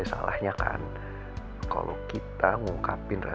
karena kebahagiaan lo